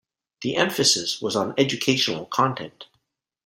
The emphasis was on educational content.